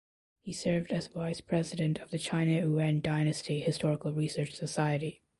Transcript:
He served as Vice President of the China Yuan Dynasty Historical Research Society.